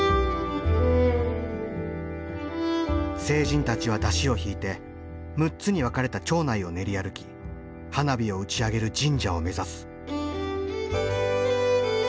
成人たちは山車を引いて６つに分かれた町内を練り歩き花火を打ち上げる神社を目指す。